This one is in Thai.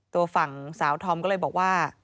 ตัวฝั่งสาวธอมก็เลยบอกว่า